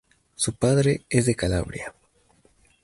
Su padre es de Calabria.